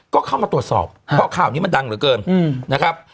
ก็เข้ามาตรวจสอบเพราะข่าวนี้มันดังเหลือเกินนะครับ